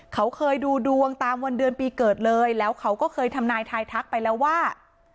เขาเคยดูดวงตามวันเดือนปีเกิดเลยแล้วเขาก็เคยทำนายทายทักไปแล้วว่า